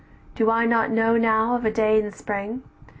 Do I not know now of a day in Spring?